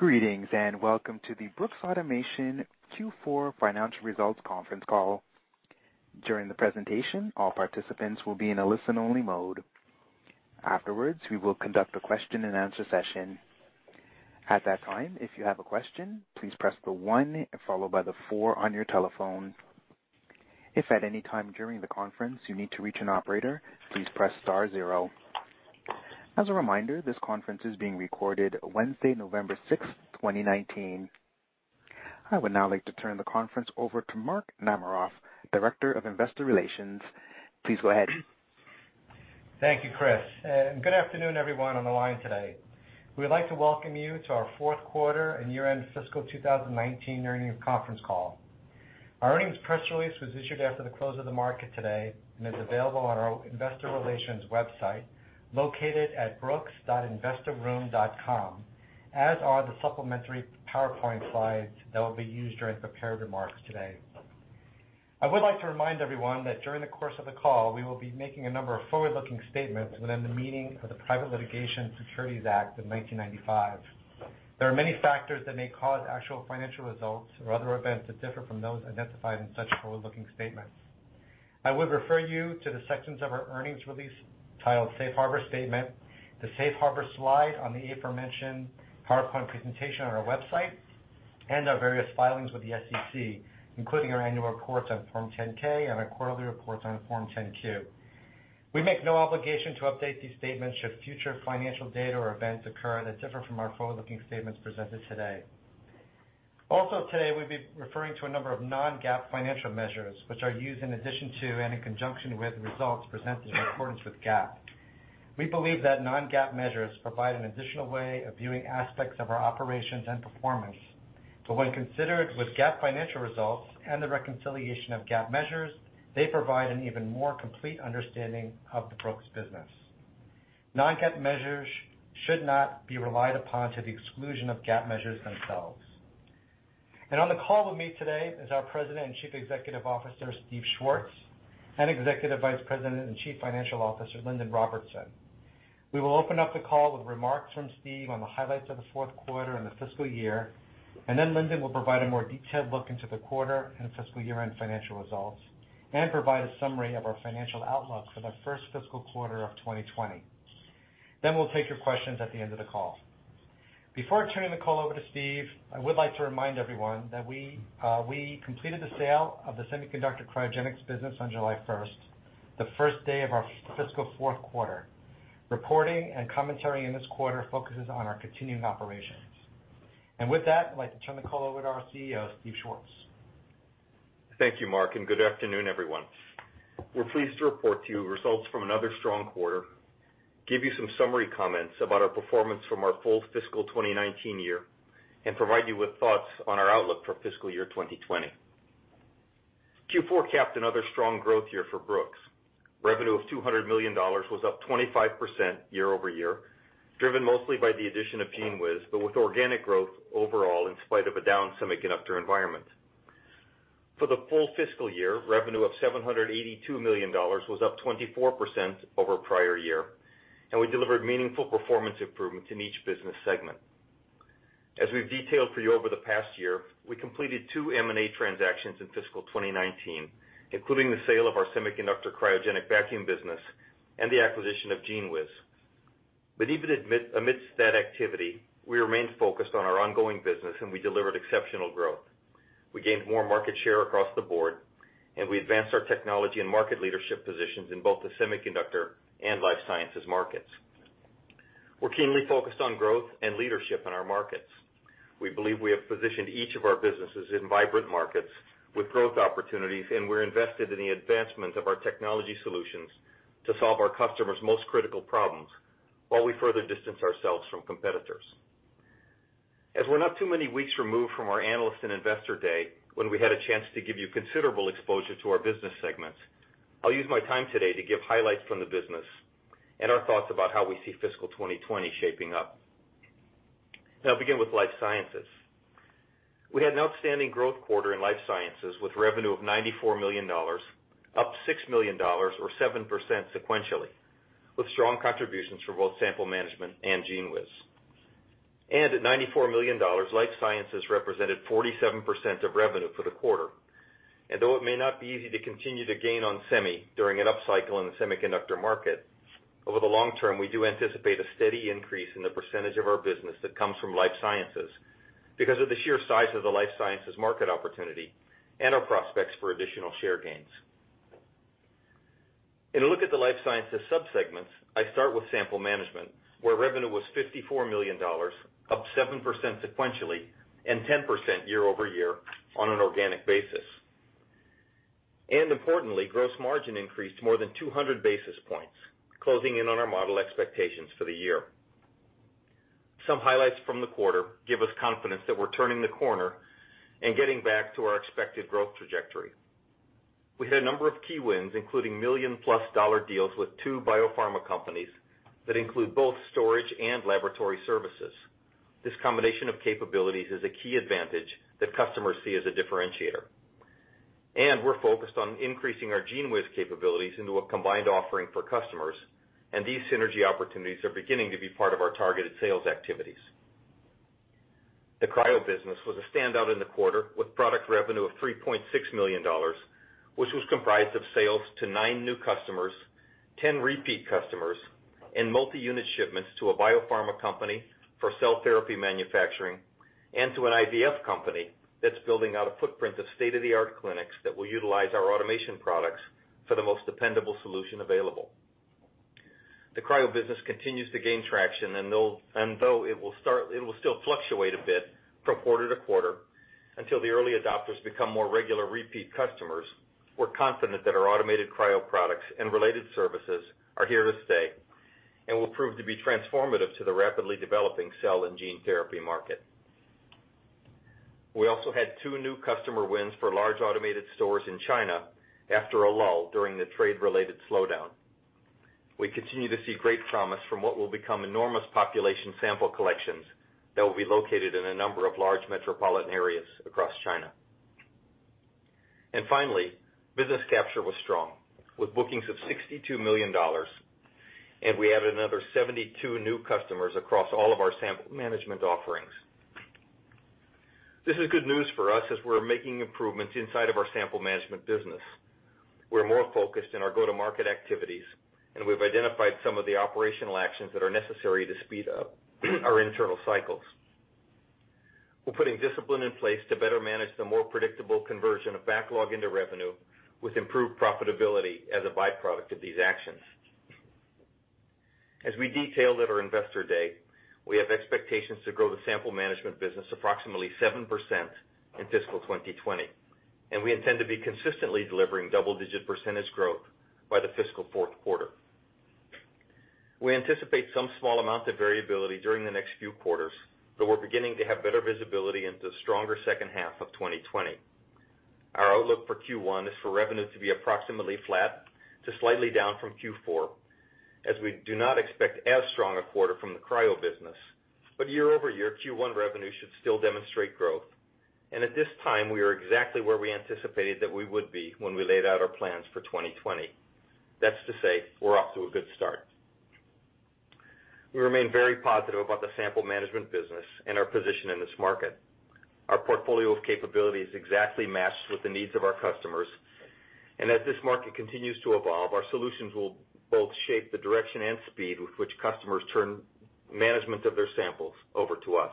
Greetings. Welcome to the Brooks Automation Q4 Financial Results Conference Call. During the presentation, all participants will be in a listen-only mode. Afterwards, we will conduct a question and answer session. At that time, if you have a question, please press the one followed by the four on your telephone. If at any time during the conference you need to reach an operator, please press star zero. As a reminder, this conference is being recorded Wednesday, November 6th, 2019. I would now like to turn the conference over to Mark Namaroff, Director of Investor Relations. Please go ahead. Thank you, Chris. Good afternoon, everyone on the line today. We'd like to welcome you to our fourth quarter and year-end fiscal 2019 earnings conference call. Our earnings press release was issued after the close of the market today and is available on our investor relations website, located at brooks.investorroom.com, as are the supplementary PowerPoint slides that will be used during prepared remarks today. I would like to remind everyone that during the course of the call, we will be making a number of forward-looking statements within the meaning of the Private Securities Litigation Reform Act of 1995. There are many factors that may cause actual financial results or other events that differ from those identified in such forward-looking statements. I would refer you to the sections of our earnings release titled Safe Harbor Statement, the Safe Harbor slide on the aforementioned PowerPoint presentation on our website, and our various filings with the SEC, including our annual reports on Form 10-K and our quarterly reports on Form 10-Q. We make no obligation to update these statements should future financial data or events occur that differ from our forward-looking statements presented today. Also today, we'll be referring to a number of non-GAAP financial measures, which are used in addition to and in conjunction with results presented in accordance with GAAP. We believe that non-GAAP measures provide an additional way of viewing aspects of our operations and performance. When considered with GAAP financial results and the reconciliation of GAAP measures, they provide an even more complete understanding of the Brooks business. Non-GAAP measures should not be relied upon to the exclusion of GAAP measures themselves. On the call with me today is our President and Chief Executive Officer, Steve Schwartz, and Executive Vice President and Chief Financial Officer, Lindon Robertson. We will open up the call with remarks from Steve on the highlights of the fourth quarter and the fiscal year, and Lindon will provide a more detailed look into the quarter and fiscal year-end financial results and provide a summary of our financial outlook for the first fiscal quarter of 2020. We'll take your questions at the end of the call. Before turning the call over to Steve, I would like to remind everyone that we completed the sale of the semiconductor cryogenics business on July 1st, the first day of our fiscal fourth quarter. Reporting and commentary in this quarter focuses on our continuing operations. With that, I'd like to turn the call over to our CEO, Steve Schwartz. Thank you, Mark. Good afternoon, everyone. We're pleased to report to you results from another strong quarter, give you some summary comments about our performance from our full fiscal 2019 year, and provide you with thoughts on our outlook for fiscal year 2020. Q4 capped another strong growth year for Brooks. Revenue of $200 million was up 25% year-over-year, driven mostly by the addition of GENEWIZ, but with organic growth overall in spite of a down semiconductor environment. For the full fiscal year, revenue of $782 million was up 24% over prior year, and we delivered meaningful performance improvements in each business segment. As we've detailed for you over the past year, we completed two M&A transactions in fiscal 2019, including the sale of our semiconductor cryogenic vacuum business and the acquisition of GENEWIZ. Even amidst that activity, we remained focused on our ongoing business, and we delivered exceptional growth. We gained more market share across the board, and we advanced our technology and market leadership positions in both the semiconductor and Life Sciences markets. We're keenly focused on growth and leadership in our markets. We believe we have positioned each of our businesses in vibrant markets with growth opportunities, and we're invested in the advancement of our technology solutions to solve our customers' most critical problems while we further distance ourselves from competitors. As we're not too many weeks removed from our Analyst and Investor Day, when we had a chance to give you considerable exposure to our business segments, I'll use my time today to give highlights from the business and our thoughts about how we see fiscal 2020 shaping up. I'll begin with Life Sciences. We had an outstanding growth quarter in Life Sciences with revenue of $94 million, up $6 million or 7% sequentially, with strong contributions from both Sample Management and GENEWIZ. At $94 million, Life Sciences represented 47% of revenue for the quarter. Though it may not be easy to continue to gain on semi during an upcycle in the semiconductor market, over the long term, we do anticipate a steady increase in the percentage of our business that comes from Life Sciences because of the sheer size of the life sciences market opportunity and our prospects for additional share gains. In a look at the life sciences sub-segments, I start with Sample Management, where revenue was $54 million, up 7% sequentially and 10% year-over-year on an organic basis. Importantly, gross margin increased more than 200 basis points, closing in on our model expectations for the year. Some highlights from the quarter give us confidence that we're turning the corner and getting back to our expected growth trajectory. We had a number of key wins, including million-plus-dollar deals with two biopharma companies that include both storage and laboratory services. This combination of capabilities is a key advantage that customers see as a differentiator. We're focused on increasing our GENEWIZ capabilities into a combined offering for customers, and these synergy opportunities are beginning to be part of our targeted sales activities. The cryo business was a standout in the quarter with product revenue of $3.6 million, which was comprised of sales to nine new customers, 10 repeat customers, and multi-unit shipments to a biopharma company for cell therapy manufacturing, and to an IVF company that's building out a footprint of state-of-the-art clinics that will utilize our automation products for the most dependable solution available. The cryo business continues to gain traction, and though it will still fluctuate a bit from quarter to quarter until the early adopters become more regular repeat customers, we're confident that our automated cryo products and related services are here to stay and will prove to be transformative to the rapidly developing cell and gene therapy market. We also had two new customer wins for large automated stores in China after a lull during the trade-related slowdown. We continue to see great promise from what will become enormous population sample collections that will be located in a number of large metropolitan areas across China. Finally, business capture was strong, with bookings of $62 million, and we added another 72 new customers across all of our Sample Management offerings. This is good news for us as we're making improvements inside of our Sample Management business. We're more focused in our go-to-market activities, and we've identified some of the operational actions that are necessary to speed up our internal cycles. We're putting discipline in place to better manage the more predictable conversion of backlog into revenue, with improved profitability as a byproduct of these actions. As we detailed at our Investor Day, we have expectations to grow the Sample Management business approximately 7% in fiscal 2020, and we intend to be consistently delivering double-digit percentage growth by the fiscal fourth quarter. We anticipate some small amount of variability during the next few quarters, we're beginning to have better visibility into the stronger second half of 2020. Our outlook for Q1 is for revenue to be approximately flat to slightly down from Q4, as we do not expect as strong a quarter from the cryo business. Year-over-year, Q1 revenue should still demonstrate growth. At this time, we are exactly where we anticipated that we would be when we laid out our plans for 2020. That's to say, we're off to a good start. We remain very positive about the Sample Management business and our position in this market. Our portfolio of capabilities exactly matches with the needs of our customers. As this market continues to evolve, our solutions will both shape the direction and speed with which customers turn management of their samples over to us.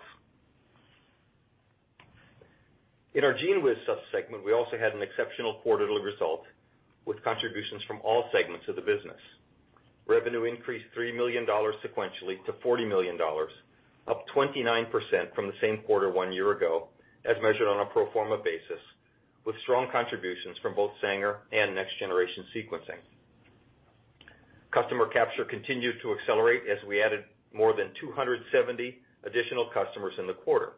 In our GENEWIZ sub-segment, we also had an exceptional quarterly result with contributions from all segments of the business. Revenue increased $3 million sequentially to $40 million, up 29% from the same quarter one year ago, as measured on a pro forma basis, with strong contributions from both Sanger and next-generation sequencing. Customer capture continued to accelerate as we added more than 270 additional customers in the quarter,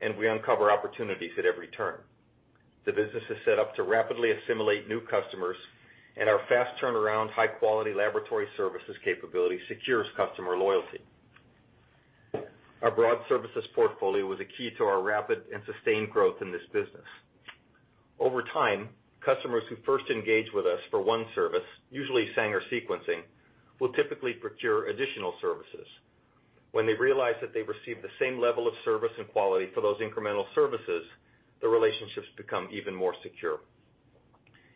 and we uncover opportunities at every turn. The business is set up to rapidly assimilate new customers, and our fast turnaround, high-quality laboratory services capability secures customer loyalty. Our broad services portfolio was a key to our rapid and sustained growth in this business. Over time, customers who first engage with us for one service, usually Sanger sequencing, will typically procure additional services. When they realize that they receive the same level of service and quality for those incremental services, the relationships become even more secure.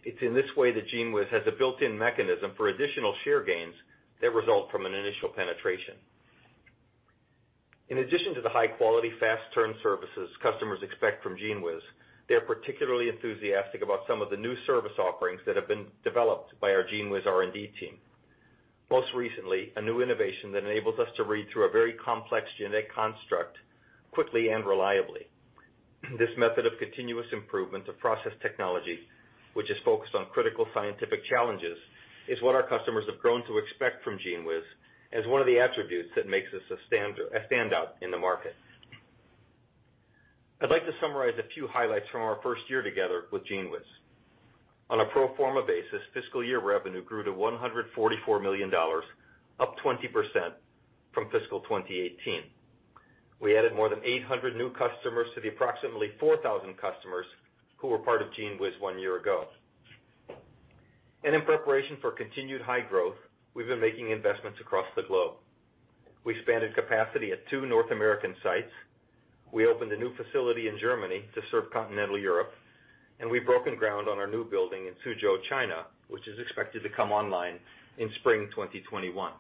It's in this way that GENEWIZ has a built-in mechanism for additional share gains that result from an initial penetration. In addition to the high-quality, fast-turn services customers expect from GENEWIZ, they're particularly enthusiastic about some of the new service offerings that have been developed by our GENEWIZ R&D team. Most recently, a new innovation that enables us to read through a very complex genetic construct quickly and reliably. This method of continuous improvement of process technology, which is focused on critical scientific challenges, is what our customers have grown to expect from GENEWIZ as one of the attributes that makes us a standout in the market. I'd like to summarize a few highlights from our first year together with GENEWIZ. On a pro forma basis, fiscal year revenue grew to $144 million, up 20% from fiscal 2018. We added more than 800 new customers to the approximately 4,000 customers who were part of GENEWIZ one year ago. In preparation for continued high growth, we've been making investments across the globe. We expanded capacity at two North American sites. We opened a new facility in Germany to serve continental Europe, and we've broken ground on our new building in Suzhou, China, which is expected to come online in spring 2021.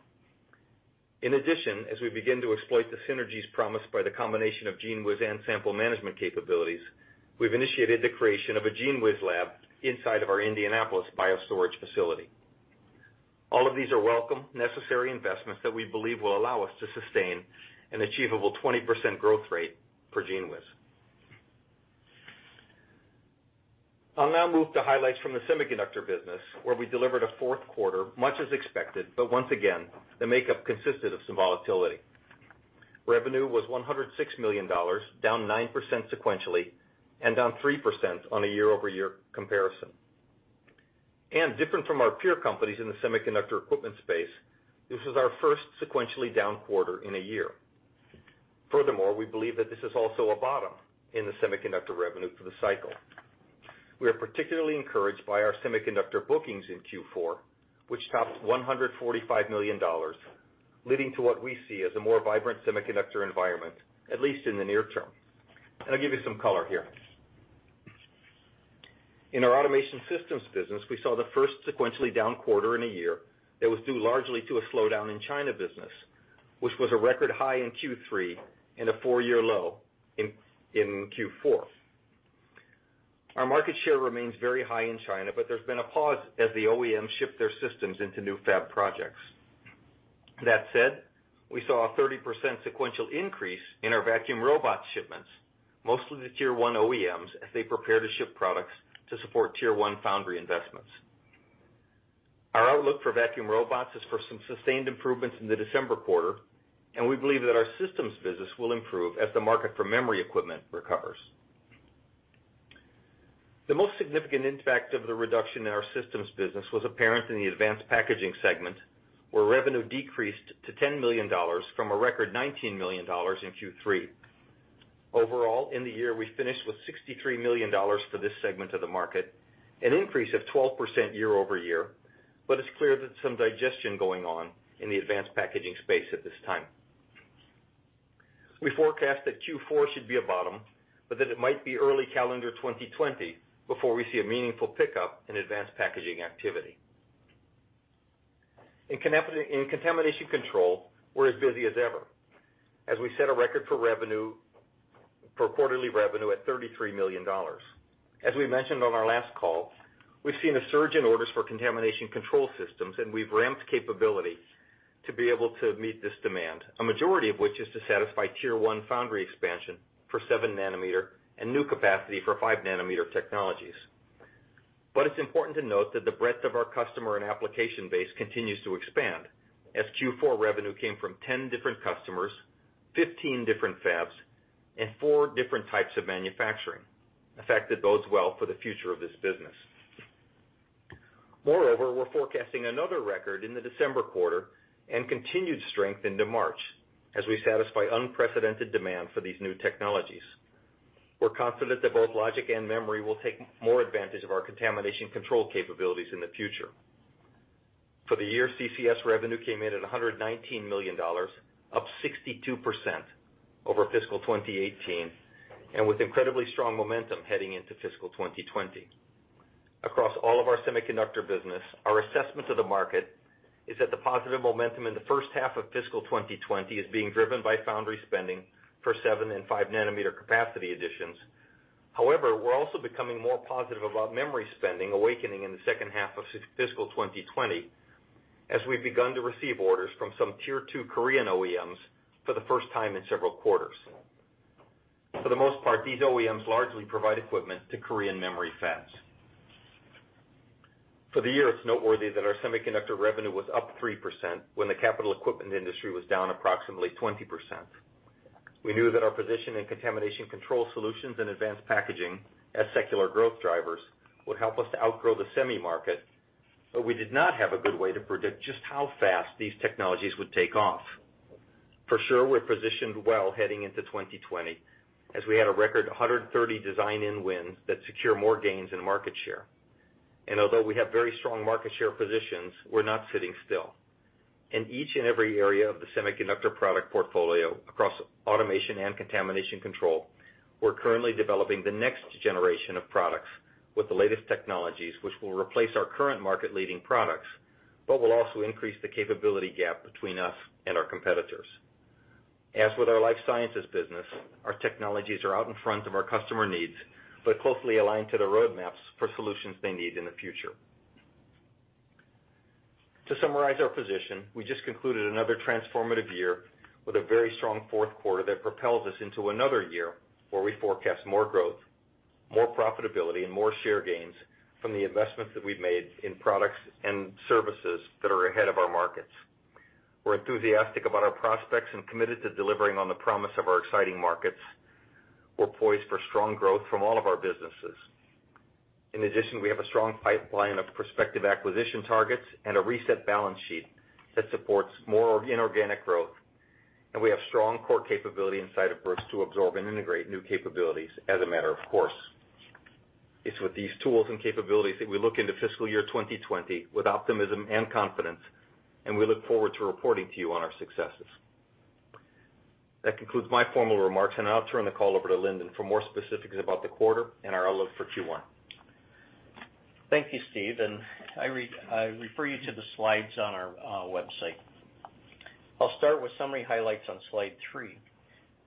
In addition, as we begin to exploit the synergies promised by the combination of GENEWIZ and Sample Management capabilities, we've initiated the creation of a GENEWIZ lab inside of our Indianapolis BioStorage facility. All of these are welcome, necessary investments that we believe will allow us to sustain an achievable 20% growth rate for GENEWIZ. I'll now move to highlights from the semiconductor business, where we delivered a fourth quarter, much as expected, but once again, the makeup consisted of some volatility. Revenue was $106 million, down 9% sequentially, and down 3% on a year-over-year comparison. Different from our peer companies in the semiconductor equipment space, this is our first sequentially-down quarter in a year. Furthermore, we believe that this is also a bottom in the semiconductor revenue for the cycle. We are particularly encouraged by our semiconductor bookings in Q4, which topped $145 million, leading to what we see as a more vibrant semiconductor environment, at least in the near term. I'll give you some color here. In our automation systems business, we saw the first sequentially-down quarter in a year that was due largely to a slowdown in China business, which was a record high in Q3 and a four-year low in Q4. Our market share remains very high in China, but there's been a pause as the OEMs ship their systems into new fab projects. That said, we saw a 30% sequential increase in our vacuum robots shipments, mostly to Tier 1 OEMs as they prepare to ship products to support Tier 1 foundry investments. Our outlook for vacuum robots is for some sustained improvements in the December quarter, and we believe that our systems business will improve as the market for memory equipment recovers. The most significant impact of the reduction in our systems business was apparent in the advanced packaging segment, where revenue decreased to $10 million from a record $19 million in Q3. Overall, in the year, we finished with $63 million for this segment of the market, an increase of 12% year-over-year. It's clear that some digestion going on in the advanced packaging space at this time. We forecast that Q4 should be a bottom, but that it might be early calendar 2020 before we see a meaningful pickup in advanced packaging activity. In contamination control, we're as busy as ever, as we set a record for quarterly revenue at $33 million. As we mentioned on our last call, we've seen a surge in orders for contamination control systems, and we've ramped capability to be able to meet this demand, a majority of which is to satisfy Tier 1 foundry expansion for 7 nanometer and new capacity for 5 nanometer technologies. It's important to note that the breadth of our customer and application base continues to expand, as Q4 revenue came from 10 different customers, 15 different fabs, and 4 different types of manufacturing, a fact that bodes well for the future of this business. Moreover, we're forecasting another record in the December quarter and continued strength into March as we satisfy unprecedented demand for these new technologies. We're confident that both logic and memory will take more advantage of our Contamination Control capabilities in the future. For the year, CCS revenue came in at $119 million, up 62% over fiscal 2018, and with incredibly strong momentum heading into fiscal 2020. Across all of our semiconductor business, our assessment of the market is that the positive momentum in the first half of fiscal 2020 is being driven by foundry spending for seven and five nanometer capacity additions. However, we're also becoming more positive about memory spending awakening in the second half of fiscal 2020, as we've begun to receive orders from some Tier 2 Korean OEMs for the first time in several quarters. For the most part, these OEMs largely provide equipment to Korean memory fabs. For the year, it's noteworthy that our semiconductor revenue was up 3% when the capital equipment industry was down approximately 20%. We knew that our position in contamination control solutions and advanced packaging as secular growth drivers would help us to outgrow the semi market, but we did not have a good way to predict just how fast these technologies would take off. For sure, we're positioned well heading into 2020, as we had a record 130 design-in wins that secure more gains in market share. Although we have very strong market share positions, we're not sitting still. In each and every area of the semiconductor product portfolio across automation and contamination control, we're currently developing the next generation of products with the latest technologies, which will replace our current market leading products, but will also increase the capability gap between us and our competitors. As with our Life Sciences business, our technologies are out in front of our customer needs, but closely aligned to the roadmaps for solutions they need in the future. To summarize our position, we just concluded another transformative year with a very strong fourth quarter that propels us into another year where we forecast more growth, more profitability, and more share gains from the investments that we've made in products and services that are ahead of our markets. We're enthusiastic about our prospects and committed to delivering on the promise of our exciting markets. We're poised for strong growth from all of our businesses. In addition, we have a strong pipeline of prospective acquisition targets and a reset balance sheet that supports more inorganic growth. We have strong core capability inside of Brooks to absorb and integrate new capabilities as a matter of course. It's with these tools and capabilities that we look into fiscal year 2020 with optimism and confidence, and we look forward to reporting to you on our successes. That concludes my formal remarks, and I'll turn the call over to Lindon for more specifics about the quarter and our outlook for Q1. Thank you, Steve. I refer you to the slides on our website. I'll start with summary highlights on slide three.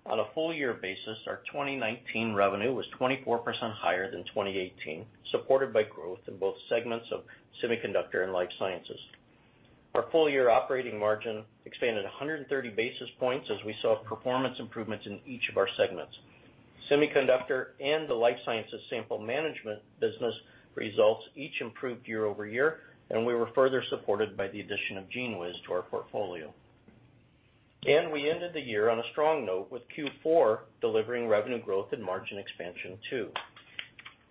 On a full year basis, our 2019 revenue was 24% higher than 2018, supported by growth in both segments of Semiconductor and Life Sciences. Our full year operating margin expanded 130 basis points as we saw performance improvements in each of our segments. Semiconductor and the Life Sciences Sample Management business results each improved year-over-year, and we were further supported by the addition of GENEWIZ to our portfolio. We ended the year on a strong note with Q4 delivering revenue growth and margin expansion too.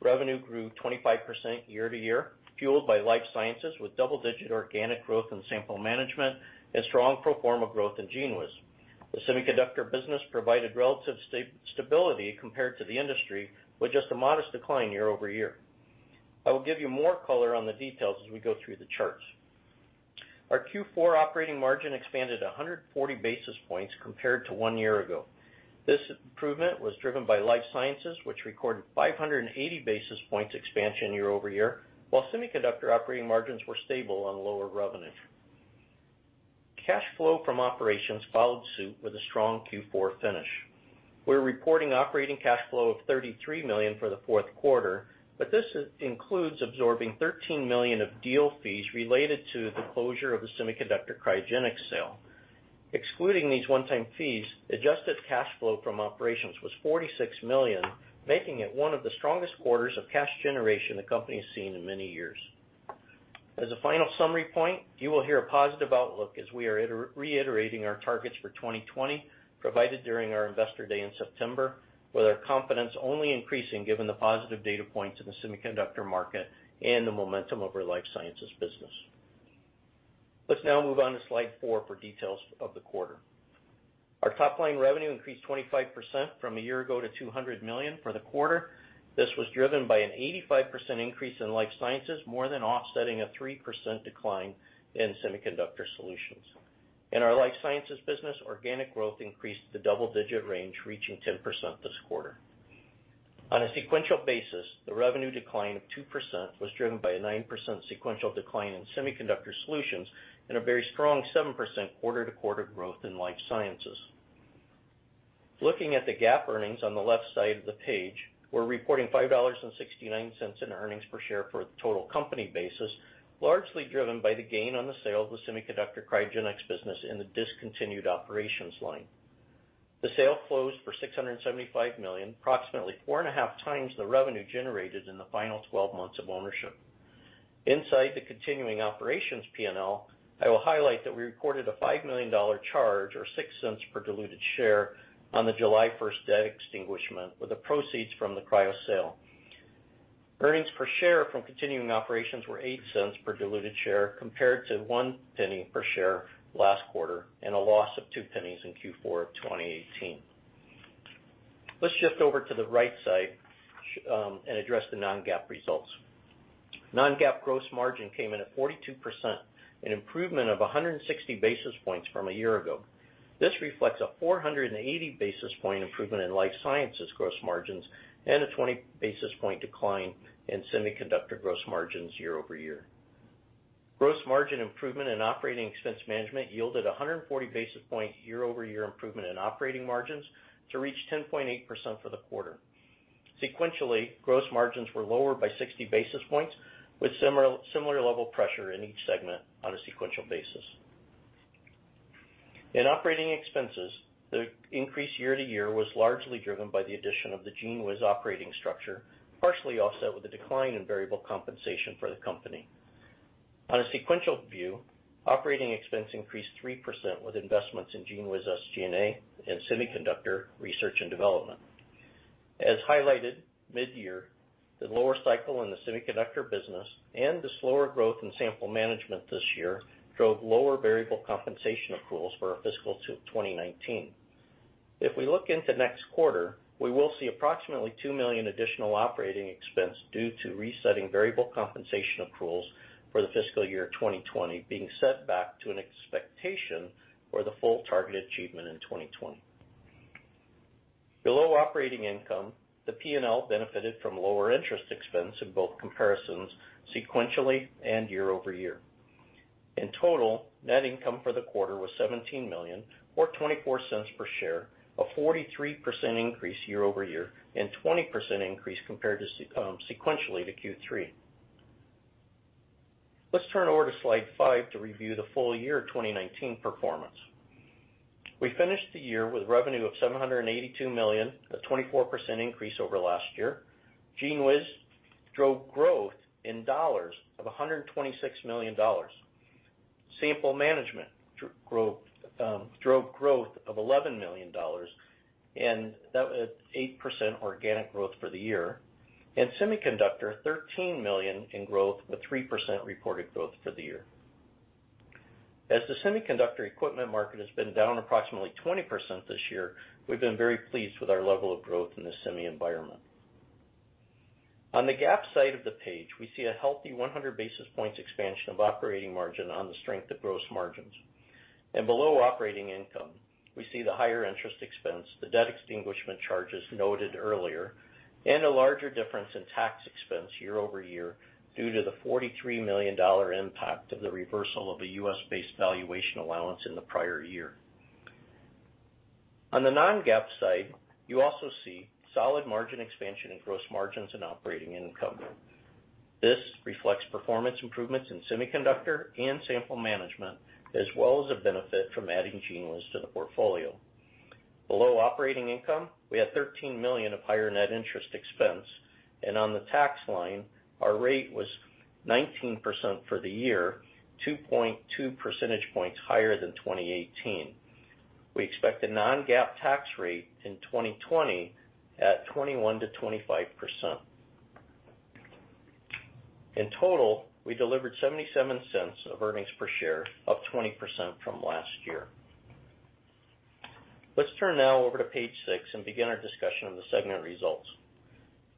Revenue grew 25% year-to-year, fueled by Life Sciences with double-digit organic growth in Sample Management and strong pro forma growth in GENEWIZ. The Semiconductor business provided relative stability compared to the industry, with just a modest decline year-over-year. I will give you more color on the details as we go through the charts. Our Q4 operating margin expanded 140 basis points compared to one year ago. This improvement was driven by Life Sciences, which recorded 580 basis points expansion year-over-year, while Semiconductor operating margins were stable on lower revenue. Cash flow from operations followed suit with a strong Q4 finish. We're reporting operating cash flow of $33 million for the fourth quarter, but this includes absorbing $13 million of deal fees related to the closure of the Semiconductor cryogenics sale. Excluding these one-time fees, adjusted cash flow from operations was $46 million, making it one of the strongest quarters of cash generation the company's seen in many years. As a final summary point, you will hear a positive outlook as we are reiterating our targets for 2020, provided during our investor day in September, with our confidence only increasing given the positive data points in the semiconductor market and the momentum of our Life Sciences business. Let's now move on to slide four for details of the quarter. Our top-line revenue increased 25% from a year ago to $200 million for the quarter. This was driven by an 85% increase in Life Sciences, more than offsetting a 3% decline in Semiconductor Solutions. In our Life Sciences business, organic growth increased to double-digit range, reaching 10% this quarter. On a sequential basis, the revenue decline of 2% was driven by a 9% sequential decline in Semiconductor Solutions and a very strong 7% quarter-to-quarter growth in Life Sciences. Looking at the GAAP earnings on the left side of the page, we're reporting $5.69 in earnings per share for the total company basis, largely driven by the gain on the sale of the semiconductor cryogenics business in the discontinued operations line. The sale closed for $675 million, approximately 4.5 times the revenue generated in the final 12 months of ownership. Inside the continuing operations P&L, I will highlight that we recorded a $5 million charge, or $0.06 per diluted share, on the July 1st debt extinguishment with the proceeds from the Cryo sale. Earnings per share from continuing operations were $0.08 per diluted share compared to $0.01 per share last quarter and a loss of $0.02 in Q4 of 2018. Let's shift over to the right side and address the non-GAAP results. Non-GAAP gross margin came in at 42%, an improvement of 160 basis points from a year ago. This reflects a 480 basis point improvement in Life Sciences gross margins and a 20 basis point decline in Semiconductor gross margins year-over-year. Gross margin improvement and operating expense management yielded 140 basis point year-over-year improvement in operating margins to reach 10.8% for the quarter. Sequentially, gross margins were lower by 60 basis points, with similar level pressure in each segment on a sequential basis. In operating expenses, the increase year to year was largely driven by the addition of the GENEWIZ operating structure, partially offset with a decline in variable compensation for the company. On a sequential view, operating expense increased 3% with investments in GENEWIZ SG&A and Semiconductor research and development. As highlighted mid-year, the lower cycle in the semiconductor business and the slower growth in Sample Management this year drove lower variable compensation accruals for our fiscal 2019. If we look into next quarter, we will see approximately 2 million additional operating expense due to resetting variable compensation accruals for the fiscal year 2020 being set back to an expectation for the full target achievement in 2020. Below operating income, the P&L benefited from lower interest expense in both comparisons sequentially and year-over-year. In total, net income for the quarter was $17 million, or $0.24 per share, a 43% increase year-over-year and 20% increase compared sequentially to Q3. Let's turn over to slide five to review the full year 2019 performance. We finished the year with revenue of $782 million, a 24% increase over last year. GENEWIZ drove growth in dollars of $126 million. Sample Management drove growth of $11 million, and that was 8% organic growth for the year, and Semiconductor, $13 million in growth with 3% reported growth for the year. As the Semiconductor equipment market has been down approximately 20% this year, we've been very pleased with our level of growth in the semi environment. On the GAAP side of the page, we see a healthy 100 basis points expansion of operating margin on the strength of gross margins. Below operating income, we see the higher interest expense, the debt extinguishment charges noted earlier, and a larger difference in tax expense year-over-year due to the $43 million impact of the reversal of a U.S.-based valuation allowance in the prior year. On the non-GAAP side, you also see solid margin expansion in gross margins and operating income. This reflects performance improvements in semiconductor and Sample Management, as well as a benefit from adding GENEWIZ to the portfolio. Below operating income, we had $13 million of higher net interest expense. On the tax line, our rate was 19% for the year, 2.2 percentage points higher than 2018. We expect a non-GAAP tax rate in 2020 at 21%-25%. In total, we delivered $0.77 of earnings per share, up 20% from last year. Let's turn now over to page six. Begin our discussion on the segment results.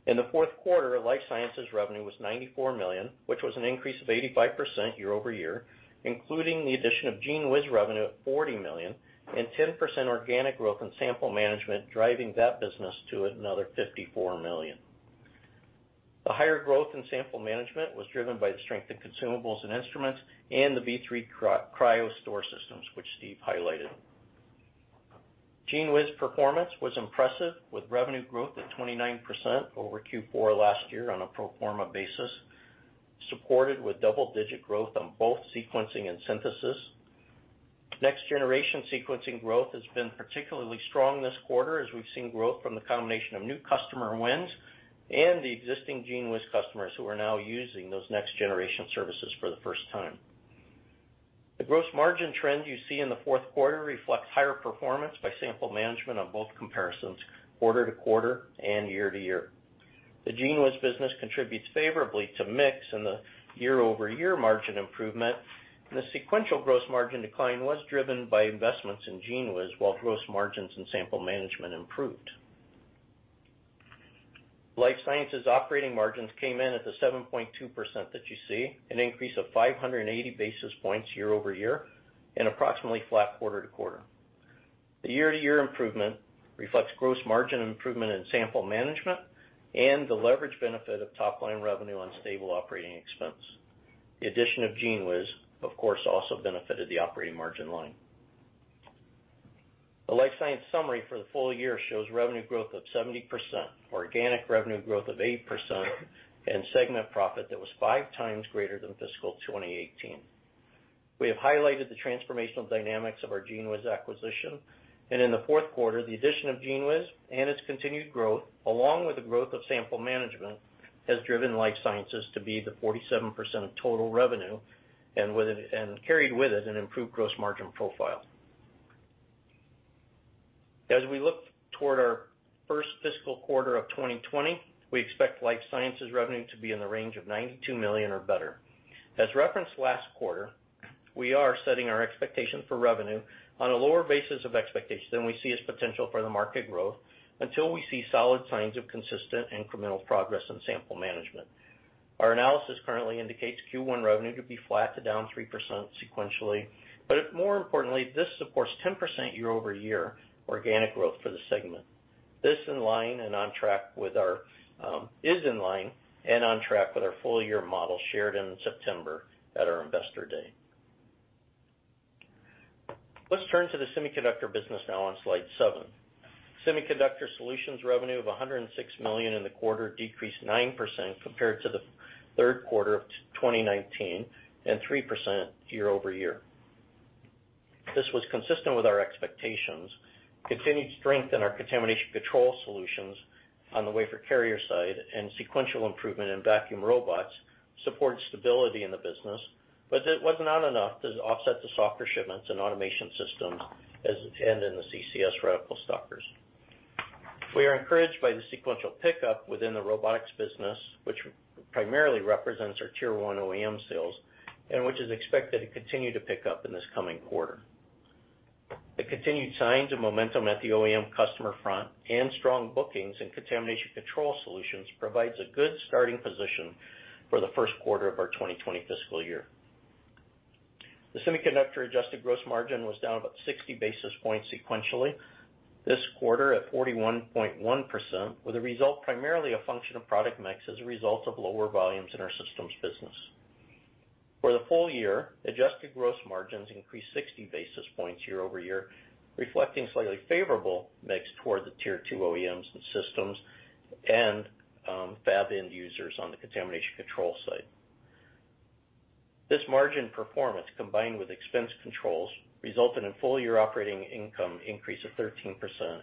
In the fourth quarter, Life Sciences revenue was $94 million, which was an increase of 85% year-over-year, including the addition of GENEWIZ revenue at $40 million and 10% organic growth in Sample Management, driving that business to another $54 million. The higher growth in Sample Management was driven by the strength in consumables and instruments and the BioStore III Cryo systems, which Steve highlighted. GENEWIZ performance was impressive, with revenue growth at 29% over Q4 last year on a pro forma basis, supported with double-digit growth on both sequencing and synthesis. Next-generation sequencing growth has been particularly strong this quarter, as we've seen growth from the combination of new customer wins and the existing GENEWIZ customers who are now using those next-generation services for the first time. The gross margin trends you see in the fourth quarter reflect higher performance by Sample Management on both comparisons, quarter-over-quarter and year-over-year. The GENEWIZ business contributes favorably to mix in the year-over-year margin improvement. The sequential gross margin decline was driven by investments in GENEWIZ while gross margins and Sample Management improved. Life Sciences operating margins came in at the 7.2% that you see, an increase of 580 basis points year-over-year and approximately flat quarter-to-quarter. The year-to-year improvement reflects gross margin improvement in Sample Management and the leverage benefit of top-line revenue on stable operating expense. The addition of GENEWIZ, of course, also benefited the operating margin line. The Life Sciences summary for the full year shows revenue growth of 70%, organic revenue growth of 8%, and segment profit that was five times greater than fiscal 2018. We have highlighted the transformational dynamics of our GENEWIZ acquisition, and in the fourth quarter, the addition of GENEWIZ and its continued growth, along with the growth of Sample Management, has driven Life Sciences to be the 47% of total revenue, and carried with it an improved gross margin profile. As we look toward our first fiscal quarter of 2020, we expect Life Sciences revenue to be in the range of $92 million or better. As referenced last quarter, we are setting our expectations for revenue on a lower basis of expectations than we see as potential for the market growth, until we see solid signs of consistent incremental progress in Sample Management. Our analysis currently indicates Q1 revenue to be flat to down 3% sequentially. More importantly, this supports 10% year-over-year organic growth for the segment. This is in line and on track with our full-year model shared in September at our Investor Day. Let's turn to the Semiconductor business now on slide seven. Semiconductor Solutions revenue of $106 million in the quarter decreased 9% compared to the third quarter of 2019, and 3% year-over-year. This was consistent with our expectations. Continued strength in our contamination control solutions on the wafer carrier side and sequential improvement in vacuum robots support stability in the business, but it was not enough to offset the softer shipments in automation systems and in the CCS reticle stockers. We are encouraged by the sequential pickup within the robotics business, which primarily represents our Tier 1 OEM sales, and which is expected to continue to pick up in this coming quarter. The continued signs of momentum at the OEM customer front and strong bookings in contamination control solutions provides a good starting position for the first quarter of our 2020 fiscal year. The Semiconductor adjusted gross margin was down about 60 basis points sequentially this quarter at 41.1%, with the result primarily a function of product mix as a result of lower volumes in our systems business. For the full year, adjusted gross margins increased 60 basis points year-over-year, reflecting slightly favorable mix toward the Tier 2 OEMs and systems and fab end users on the contamination control side. This margin performance, combined with expense controls, resulted in full-year operating income increase of 13%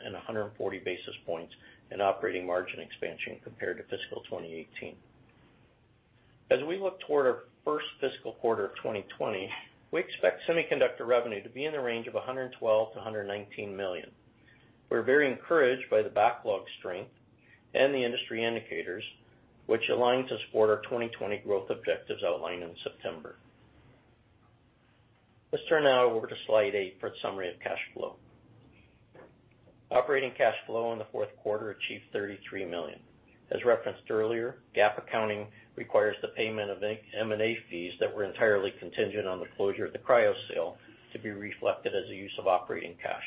and 140 basis points in operating margin expansion compared to fiscal 2018. As we look toward our first fiscal quarter of 2020, we expect Semiconductor revenue to be in the range of $112 million-$119 million. We're very encouraged by the backlog strength and the industry indicators, which align to support our 2020 growth objectives outlined in September. Let's turn now over to slide eight for a summary of cash flow. Operating cash flow in the fourth quarter achieved $33 million. As referenced earlier, GAAP accounting requires the payment of M&A fees that were entirely contingent on the closure of the Cryo sale to be reflected as a use of operating cash.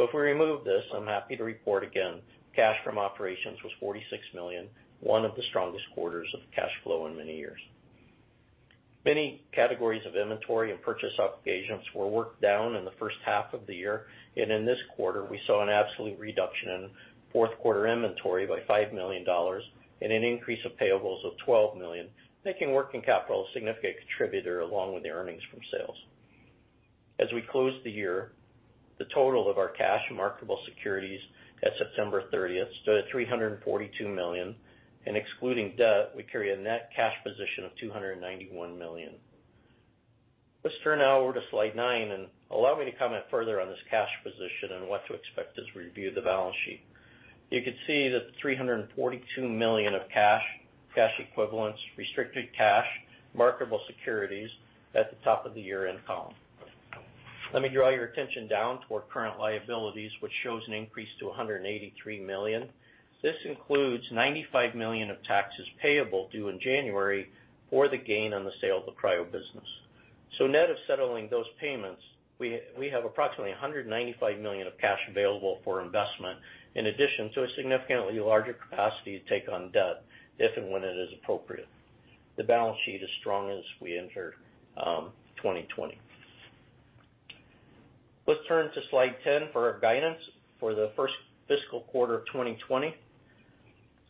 If we remove this, I'm happy to report again, cash from operations was $46 million, one of the strongest quarters of cash flow in many years. Many categories of inventory and purchase obligations were worked down in the first half of the year, and in this quarter, we saw an absolute reduction in fourth quarter inventory by $5 million and an increase of payables of $12 million, making working capital a significant contributor along with the earnings from sales. As we close the year, the total of our cash and marketable securities at September 30th stood at $342 million, and excluding debt, we carry a net cash position of $291 million. Let's turn now over to slide nine, allow me to comment further on this cash position and what to expect as we review the balance sheet. You can see the $342 million of cash equivalents, restricted cash, marketable securities at the top of the year-end column. Let me draw your attention down toward current liabilities, which shows an increase to $183 million. This includes $95 million of taxes payable due in January for the gain on the sale of the Cryo business. Net of settling those payments, we have approximately $195 million of cash available for investment, in addition to a significantly larger capacity to take on debt if and when it is appropriate. The balance sheet is strong as we enter 2020. Let's turn to slide 10 for our guidance for the first fiscal quarter of 2020.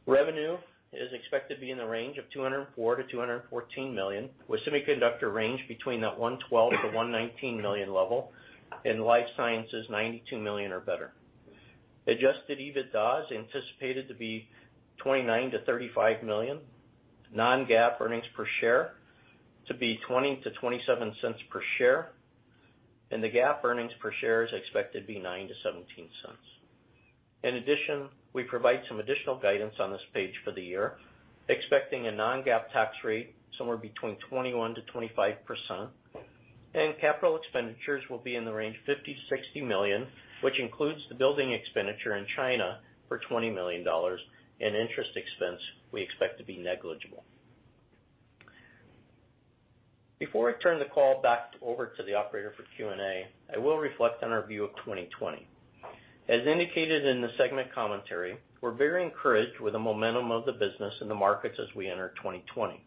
Revenue is expected to be in the range of $204 million-$214 million, with Semiconductor Solutions range between that $112 million-$119 million level, and Life Sciences $92 million or better. Adjusted EBITDA is anticipated to be $29 million-$35 million, non-GAAP earnings per share to be $0.20-$0.27 per share, and the GAAP earnings per share is expected to be $0.09-$0.17. In addition, we provide some additional guidance on this page for the year, expecting a non-GAAP tax rate somewhere between 21%-25%, and capital expenditures will be in the range of $50 million-$60 million, which includes the building expenditure in China for $20 million, and interest expense we expect to be negligible. Before I turn the call back over to the operator for Q&A, I will reflect on our view of 2020. As indicated in the segment commentary, we're very encouraged with the momentum of the business in the markets as we enter 2020.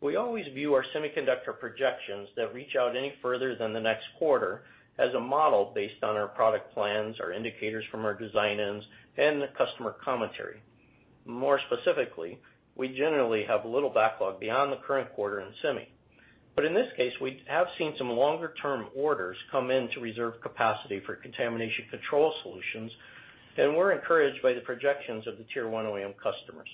We always view our semiconductor projections that reach out any further than the next quarter as a model based on our product plans, our indicators from our design-ins, and the customer commentary. More specifically, we generally have little backlog beyond the current quarter in semi. In this case, we have seen some longer-term orders come in to reserve capacity for contamination control solutions, and we're encouraged by the projections of the Tier One OEM customers.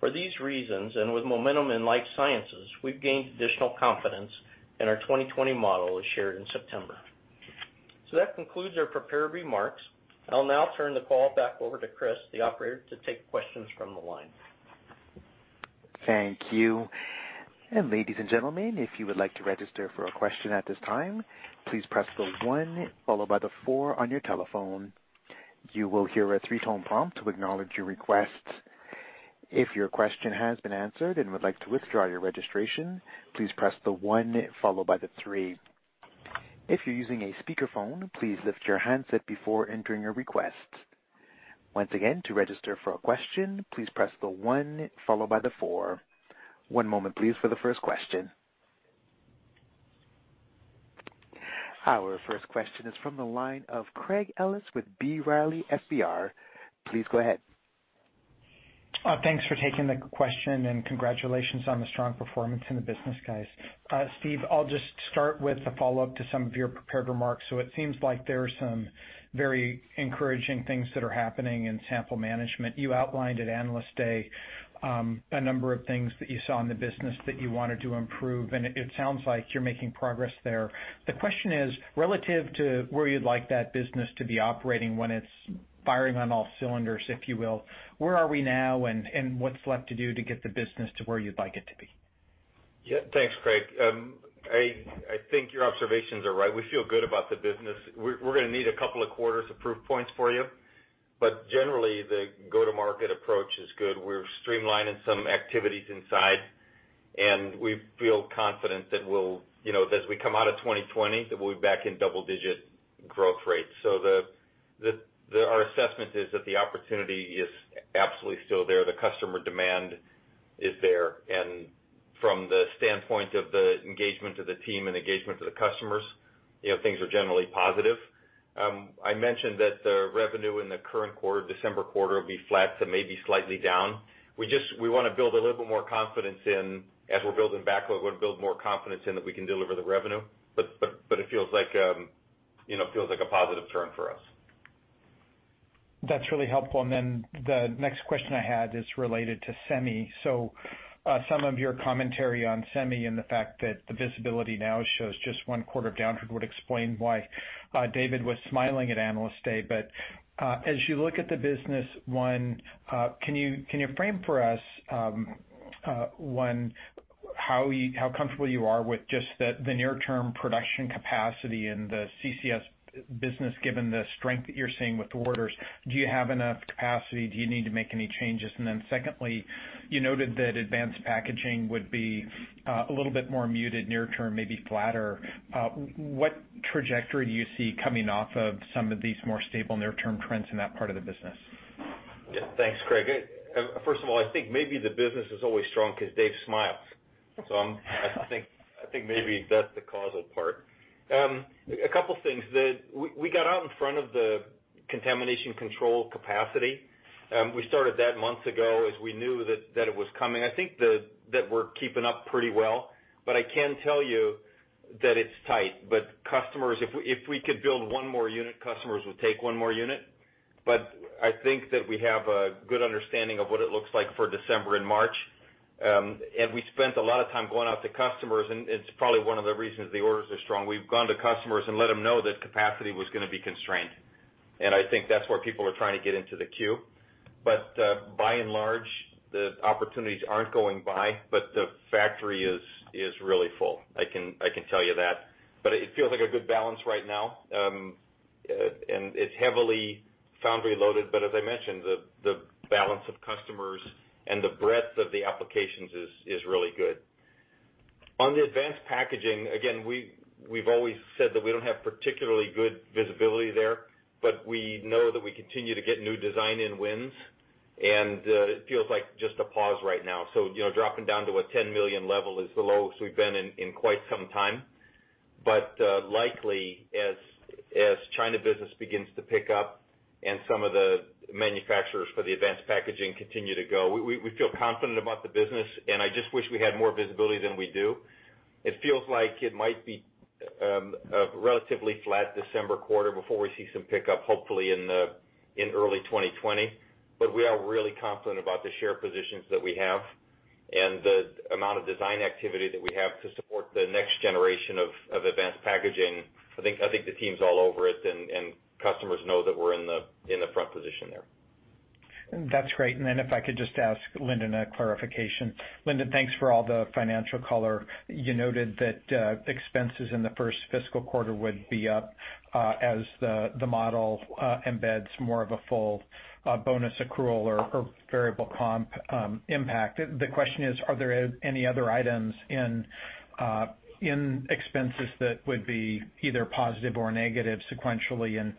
For these reasons, and with momentum in life sciences, we've gained additional confidence in our 2020 model as shared in September. That concludes our prepared remarks. I'll now turn the call back over to Chris, the operator, to take questions from the line. Thank you. Ladies and gentlemen, if you would like to register for a question at this time, please press the one followed by the four on your telephone. You will hear a three-tone prompt to acknowledge your request. If your question has been answered and would like to withdraw your registration, please press the one followed by the three. If you're using a speakerphone, please lift your handset before entering your request. Once again, to register for a question, please press the one followed by the four. One moment, please, for the first question. Our first question is from the line of Craig Ellis with B. Riley FBR. Please go ahead. Thanks for taking the question. Congratulations on the strong performance in the business, guys. Steve, I'll just start with the follow-up to some of your prepared remarks. It seems like there are some very encouraging things that are happening in Sample Management. You outlined at Analyst Day, a number of things that you saw in the business that you wanted to improve, and it sounds like you're making progress there. The question is, relative to where you'd like that business to be operating when it's firing on all cylinders, if you will, where are we now and what's left to do to get the business to where you'd like it to be? Yeah. Thanks, Craig. I think your observations are right. We feel good about the business. We're going to need a couple of quarters of proof points for you. Generally, the go-to-market approach is good. We're streamlining some activities inside, and we feel confident that as we come out of 2020, that we'll be back in double-digit growth rates. Our assessment is that the opportunity is absolutely still there. The customer demand is there. From the standpoint of the engagement of the team and engagement of the customers, things are generally positive. I mentioned that the revenue in the current quarter, December quarter, will be flat to maybe slightly down. As we're building backlog, we want to build more confidence in that we can deliver the revenue. It feels like a positive turn for us. That's really helpful. The next question I had is related to semi. Some of your commentary on semi and the fact that the visibility now shows just one quarter downward would explain why David was smiling at Analyst Day. As you look at the business, one, can you frame for us how comfortable you are with just the near-term production capacity in the CCS business, given the strength that you're seeing with the orders? Do you have enough capacity? Do you need to make any changes? Secondly, you noted that advanced packaging would be a little bit more muted near term, maybe flatter. What trajectory do you see coming off of some of these more stable near-term trends in that part of the business? Yeah. Thanks, Craig. First of all, I think maybe the business is always strong because Dave smiles. I think maybe that's the causal part. A couple things. We got out in front of the. Contamination control capacity. We started that months ago as we knew that it was coming. I think that we're keeping up pretty well, but I can tell you that it's tight. If we could build one more unit, customers would take one more unit. I think that we have a good understanding of what it looks like for December and March. We spent a lot of time going out to customers, and it's probably one of the reasons the orders are strong. We've gone to customers and let them know that capacity was going to be constrained. I think that's where people are trying to get into the queue. By and large, the opportunities aren't going by, but the factory is really full. I can tell you that. It feels like a good balance right now. It's heavily foundry loaded, but as I mentioned, the balance of customers and the breadth of the applications is really good. On the advanced packaging, again, we've always said that we don't have particularly good visibility there, but we know that we continue to get new design-in wins, and it feels like just a pause right now. Dropping down to a $10 million level is the lowest we've been in quite some time. Likely, as China business begins to pick up and some of the manufacturers for the advanced packaging continue to go, we feel confident about the business, and I just wish we had more visibility than we do. It feels like it might be a relatively flat December quarter before we see some pickup, hopefully in early 2020. We are really confident about the share positions that we have and the amount of design activity that we have to support the next generation of advanced packaging. I think the team's all over it, and customers know that we're in the front position there. That's great. Then if I could just ask Lindon a clarification. Lindon, thanks for all the financial color. You noted that expenses in the first fiscal quarter would be up as the model embeds more of a full bonus accrual or variable comp impact. The question is. Are there any other items in expenses that would be either positive or negative sequentially?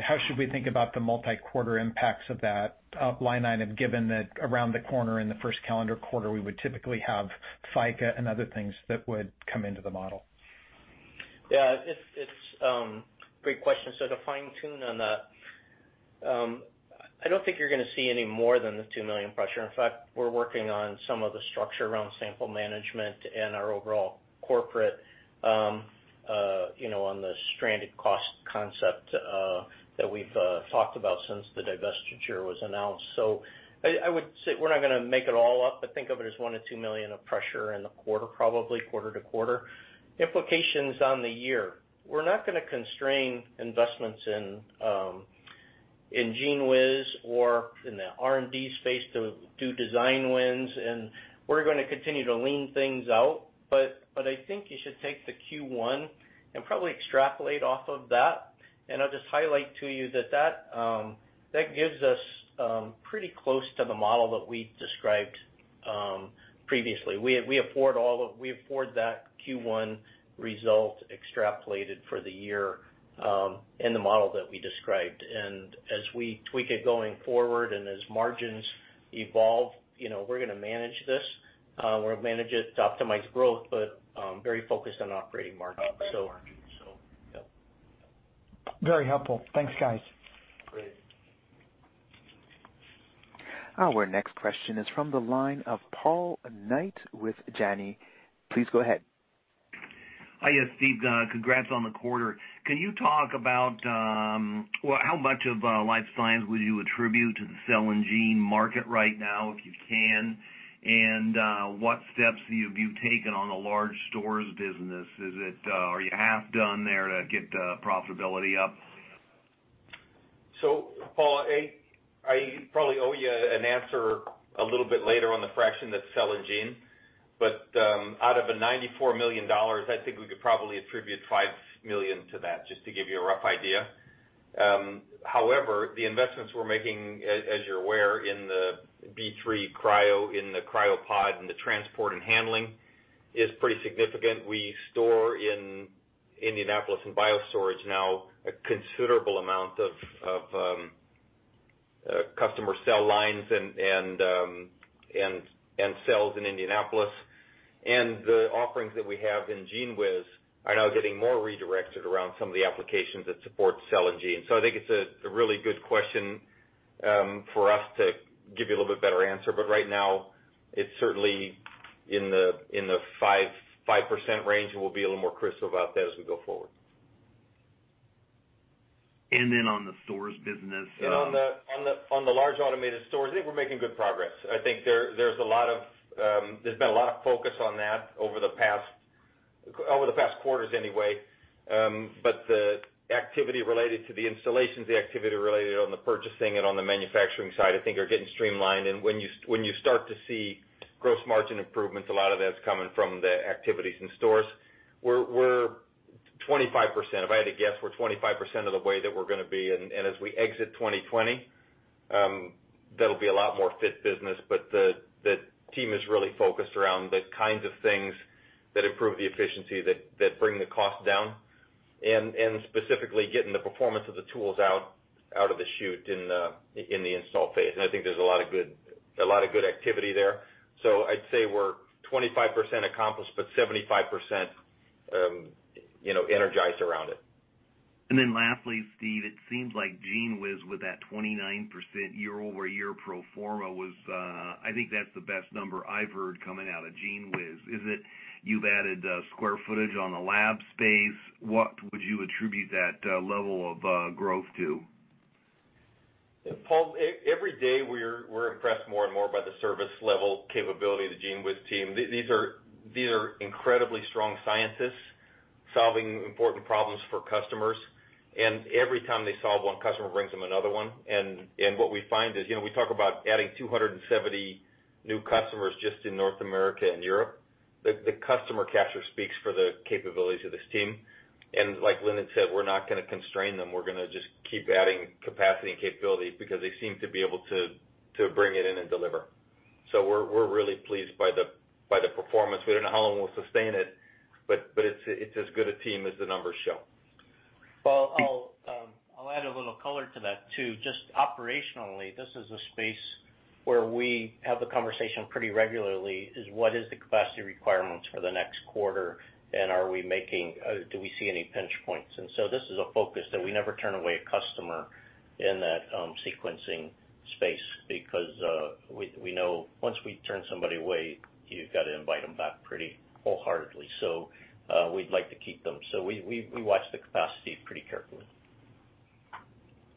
How should we think about the multi-quarter impacts of that line item, given that around the corner in the first calendar quarter, we would typically have FICA and other things that would come into the model? Yeah. It's a great question. To fine-tune on that, I don't think you're going to see any more than the $2 million pressure. In fact, we're working on some of the structure around Sample Management and our overall corporate on the stranded cost concept that we've talked about since the divestiture was announced. I would say we're not going to make it all up, but think of it as $1 million-$2 million of pressure in the quarter, probably quarter-to-quarter. Implications on the year. We're not going to constrain investments in GENEWIZ or in the R&D space to do design wins, and we're going to continue to lean things out. I think you should take the Q1 and probably extrapolate off of that. I'll just highlight to you that gives us pretty close to the model that we described previously. We afford that Q1 result extrapolated for the year in the model that we described. As we tweak it going forward and as margins evolve, we're going to manage this. We'll manage it to optimize growth, but very focused on operating margins. Yep. Very helpful. Thanks, guys. Great. Our next question is from the line of Paul Knight with Janney. Please go ahead. Hi, yes, Steve, congrats on the quarter. Can you talk about how much of Life Sciences would you attribute to the cell and gene market right now, if you can? What steps have you taken on the large stores business? Are you half done there to get the profitability up? Paul, I probably owe you an answer a little bit later on the fraction that's cell and gene, but out of a $94 million, I think we could probably attribute $5 million to that, just to give you a rough idea. However, the investments we're making, as you're aware, in the BioStore III Cryo, in the CryoPod and the transport and handling is pretty significant. We store in Indianapolis, in BioStorage now, a considerable amount of customer cell lines and cells in Indianapolis. The offerings that we have in GENEWIZ are now getting more redirected around some of the applications that support cell and gene. I think it's a really good question for us to give you a little bit better answer. Right now, it's certainly in the 5% range, and we'll be a little more crystal about that as we go forward. On the stores business. On the large automated stores, I think we're making good progress. I think there's been a lot of focus on that over the past quarters anyway. The activity related to the installations, the activity related on the purchasing and on the manufacturing side I think are getting streamlined. When you start to see gross margin improvements, a lot of that's coming from the activities in stores. We're 25%. If I had to guess, we're 25% of the way that we're going to be, and as we exit 2020, that'll be a lot more fit business. The team is really focused around the kinds of things that improve the efficiency that bring the cost down, and specifically getting the performance of the tools out of the chute in the install phase. I think there's a lot of good activity there. I'd say we're 25% accomplished, but 75% energized around it. Lastly, Steve, it seems like GENEWIZ with that 29% year-over-year pro forma was, I think that's the best number I've heard coming out of GENEWIZ. Is it you've added square footage on the lab space? What would you attribute that level of growth to? Paul, every day we're impressed more and more by the service level capability of the GENEWIZ team. These are incredibly strong scientists solving important problems for customers, and every time they solve one, customer brings them another one. What we find is, we talk about adding 270 new customers just in North America and Europe. The customer capture speaks for the capabilities of this team. Like Lindon said, we're not going to constrain them. We're going to just keep adding capacity and capability because they seem to be able to bring it in and deliver. We're really pleased by the performance. We don't know how long we'll sustain it, but it's as good a team as the numbers show. Well, I'll add a little color to that, too. Just operationally, this is a space where we have the conversation pretty regularly is what is the capacity requirements for the next quarter and do we see any pinch points? This is a focus that we never turn away a customer in that sequencing space because, we know once we turn somebody away, you've got to invite them back pretty wholeheartedly. We'd like to keep them. We watch the capacity pretty carefully.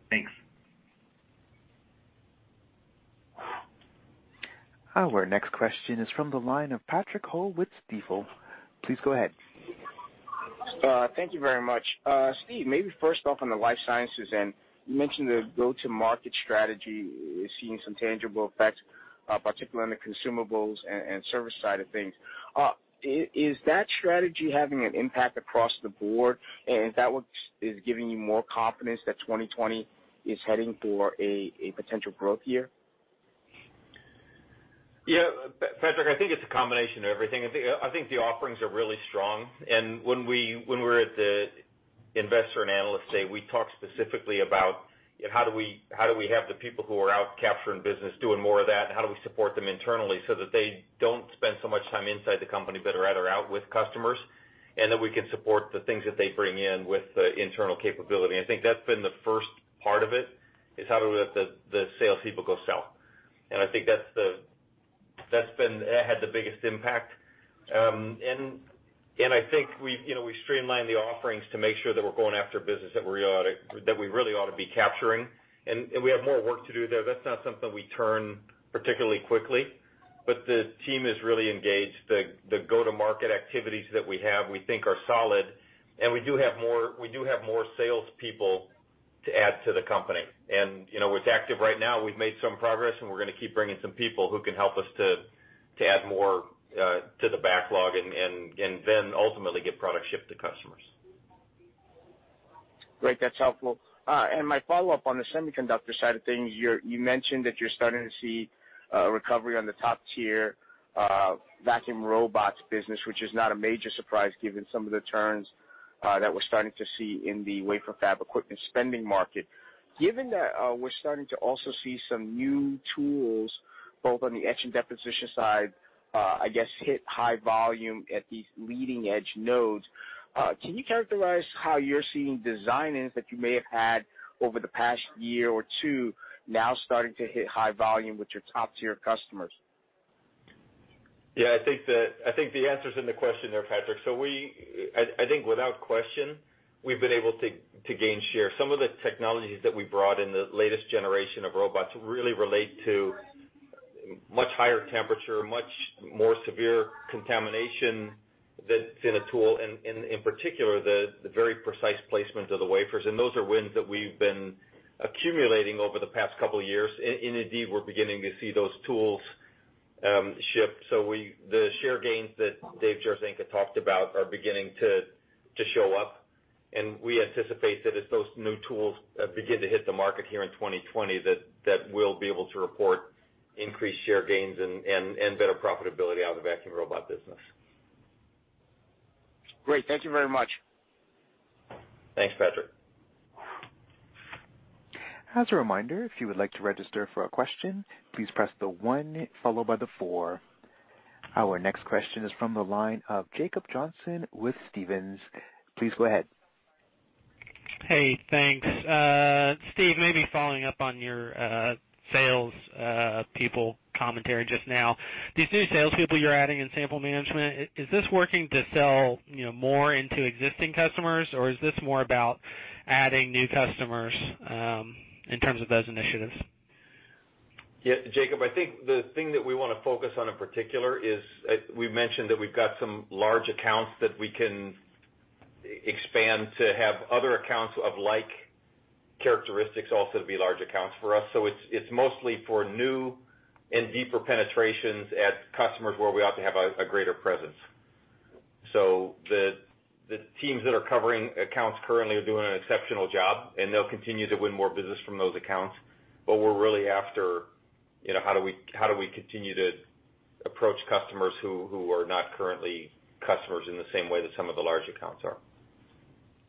Thanks. Our next question is from the line of Patrick Ho with Stifel. Please go ahead. Thank you very much. Steve, maybe first off on the Life Sciences end, you mentioned the go-to-market strategy is seeing some tangible effects, particularly on the consumables and service side of things. Is that strategy having an impact across the board, and is that what is giving you more confidence that 2020 is heading for a potential growth year? Yeah, Patrick, I think it's a combination of everything. I think the offerings are really strong. When we were at the investor and analyst day, we talked specifically about how do we have the people who are out capturing business, doing more of that, and how do we support them internally so that they don't spend so much time inside the company, but are rather out with customers, and that we can support the things that they bring in with the internal capability. I think that's been the first part of it, is how do we let the salespeople go sell. I think that had the biggest impact. I think we streamlined the offerings to make sure that we're going after business that we really ought to be capturing, and we have more work to do there. That's not something we turn particularly quickly. The team is really engaged. The go-to-market activities that we have, we think are solid, and we do have more salespeople to add to the company. With Active right now, we've made some progress, and we're going to keep bringing some people who can help us to add more to the backlog and then ultimately get product shipped to customers. Great. That's helpful. My follow-up on the semiconductor side of things, you mentioned that you're starting to see a recovery on the Tier 1 vacuum robots business, which is not a major surprise given some of the turns that we're starting to see in the wafer fab equipment spending market. Given that we're starting to also see some new tools, both on the etch and deposition side, I guess hit high volume at these leading-edge nodes, can you characterize how you're seeing design-ins that you may have had over the past year or two now starting to hit high volume with your Tier 1 customers? Yeah, I think the answer's in the question there, Patrick. I think without question, we've been able to gain share. Some of the technologies that we brought in the latest generation of robots really relate to much higher temperature, much more severe contamination that's in a tool, and in particular, the very precise placement of the wafers. Those are wins that we've been accumulating over the past couple of years. Indeed, we're beginning to see those tools ship. The share gains that Dave Jarzynka talked about are beginning to show up, and we anticipate that as those new tools begin to hit the market here in 2020, that we'll be able to report increased share gains and better profitability on the vacuum robot business. Great. Thank you very much. Thanks, Patrick. As a reminder, if you would like to register for a question, please press the one followed by the four. Our next question is from the line of Jacob Johnson with Stephens. Please go ahead. Hey, thanks. Steve, maybe following up on your salespeople commentary just now. These new salespeople you're adding in Sample Management, is this working to sell more into existing customers, or is this more about adding new customers in terms of those initiatives? Yeah, Jacob, I think the thing that we want to focus on in particular is we've mentioned that we've got some large accounts that we can expand to have other accounts of like characteristics also to be large accounts for us. It's mostly for new and deeper penetrations at customers where we ought to have a greater presence. The teams that are covering accounts currently are doing an exceptional job, and they'll continue to win more business from those accounts. We're really after how do we continue to approach customers who are not currently customers in the same way that some of the large accounts are?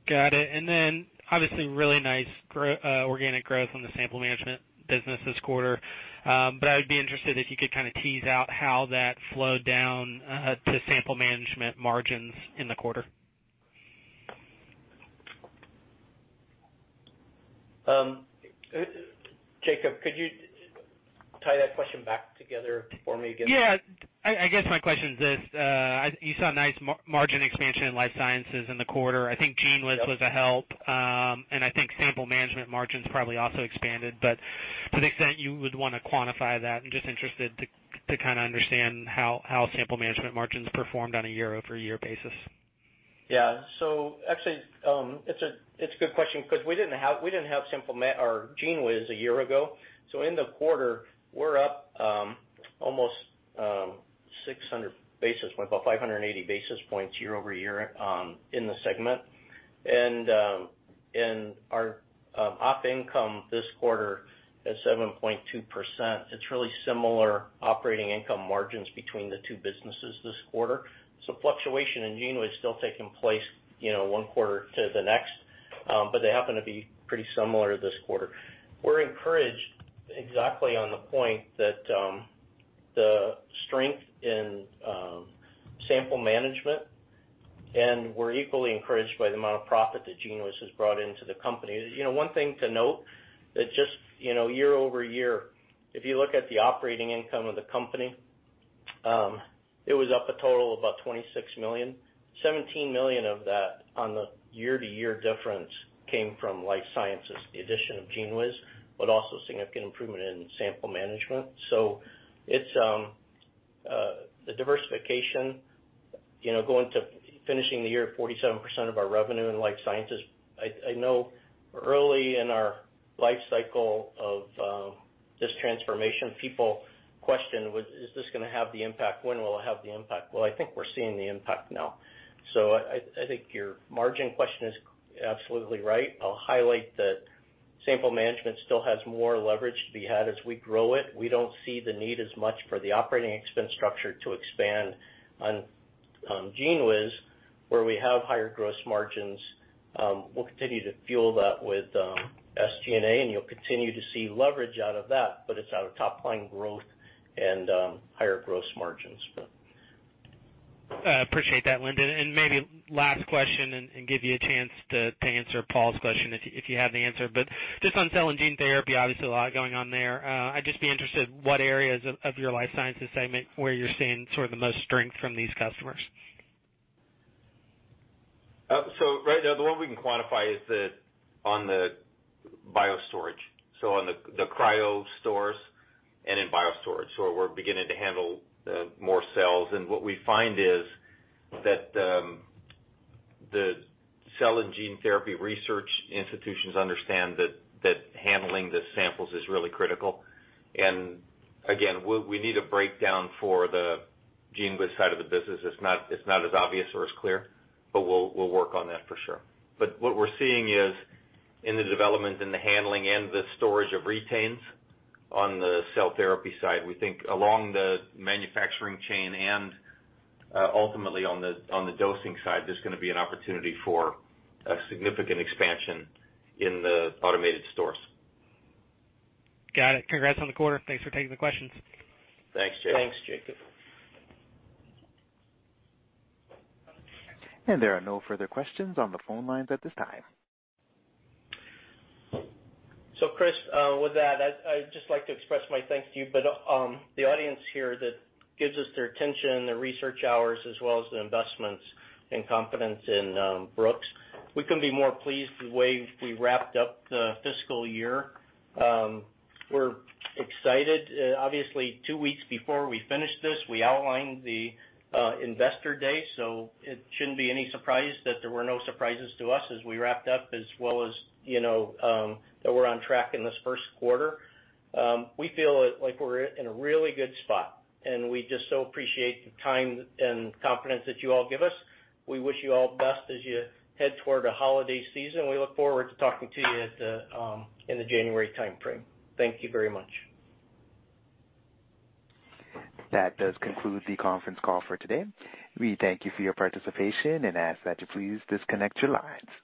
Got it. Obviously really nice organic growth on the Sample Management business this quarter. I would be interested if you could kind of tease out how that flowed down to Sample Management margins in the quarter. Jacob, could you tie that question back together for me again? I guess my question is this, you saw nice margin expansion in Life Sciences in the quarter. I think GENEWIZ was a help, and I think Sample Management margins probably also expanded, but to the extent you would want to quantify that, I'm just interested to kind of understand how Sample Management margins performed on a year-over-year basis. Actually, it's a good question because we didn't have GENEWIZ a year ago. In the quarter, we're up almost 600 basis points, about 580 basis points year-over-year in the segment. Our op income this quarter is 7.2%. It's really similar operating income margins between the two businesses this quarter. Fluctuation in GENEWIZ still taking place one quarter to the next. They happen to be pretty similar this quarter. We're encouraged exactly on the point that the strength in Sample Management, and we're equally encouraged by the amount of profit that GENEWIZ has brought into the company. One thing to note that just year-over-year, if you look at the operating income of the company, it was up a total of about $26 million. $17 million of that on the year-over-year difference came from Life Sciences, the addition of GENEWIZ, but also significant improvement in Sample Management. The diversification, going to finishing the year at 47% of our revenue in Life Sciences. I know early in our life cycle of this transformation, people questioned, "Is this going to have the impact? When will it have the impact?" Well, I think we're seeing the impact now. I think your margin question is absolutely right. I'll highlight that Sample Management still has more leverage to be had as we grow it. We don't see the need as much for the operating expense structure to expand on GENEWIZ, where we have higher gross margins. We'll continue to fuel that with SG&A, and you'll continue to see leverage out of that, but it's out of top-line growth and higher gross margins. I appreciate that, Lindon. Maybe last question and give you a chance to answer Paul's question if you have the answer. Just on cell and gene therapy, obviously a lot going on there. I'd just be interested what areas of your Life Sciences segment where you're seeing sort of the most strength from these customers. Right now, the one we can quantify is on the BioStorage. On the cryostorage and in BioStorage. We're beginning to handle more cells. What we find is that the cell and gene therapy research institutions understand that handling the samples is really critical. Again, we need a breakdown for the GENEWIZ side of the business. It's not as obvious or as clear, but we'll work on that for sure. What we're seeing is in the development and the handling and the storage of retains on the cell therapy side, we think along the manufacturing chain and ultimately on the dosing side, there's going to be an opportunity for a significant expansion in the automated stores. Got it. Congrats on the quarter. Thanks for taking the questions. Thanks, Jacob. Thanks, Jacob. There are no further questions on the phone lines at this time. Chris, with that, I'd just like to express my thanks to you, but the audience here that gives us their attention, their research hours, as well as their investments and confidence in Brooks. We couldn't be more pleased with the way we wrapped up the fiscal year. We're excited. Obviously, two weeks before we finished this, we outlined the investor day. It shouldn't be any surprise that there were no surprises to us as we wrapped up as well as that we're on track in this first quarter. We feel like we're in a really good spot, and we just so appreciate the time and confidence that you all give us. We wish you all the best as you head toward a holiday season. We look forward to talking to you in the January timeframe. Thank you very much. That does conclude the conference call for today. We thank you for your participation and ask that you please disconnect your lines.